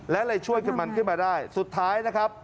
และเลยช่วยกับมันขึ้นมาได้สุดท้ายนะครับ